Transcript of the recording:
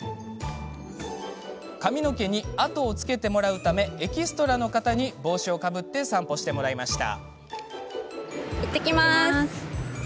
髪の毛に跡をつけてもらうためエキストラの方に帽子をかぶって散歩してもらいました。